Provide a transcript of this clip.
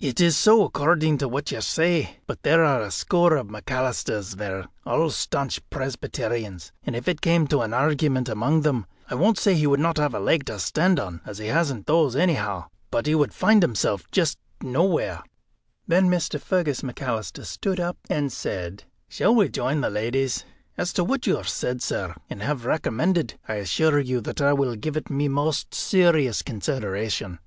"It is so, according to what you say. But there are a score of McAlisters there, all staunch Presbyterians, and if it came to an argument among them I won't say he would not have a leg to stand on, as he hasn't those anyhow, but he would find himself just nowhere." Then Mr. Fergus McAlister stood up and said: "Shall we join the ladies? As to what you have said, sir, and have recommended, I assure you that I will give it my most serious consideration."